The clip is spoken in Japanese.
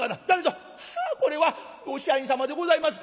「あこれはご支配人様でございますか」。